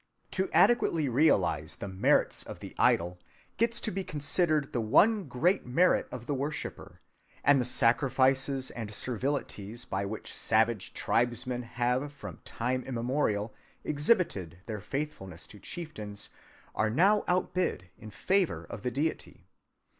To adequately realize the merits of the idol gets to be considered the one great merit of the worshiper; and the sacrifices and servilities by which savage tribesmen have from time immemorial exhibited their faithfulness to chieftains are now outbid in favor of the deity.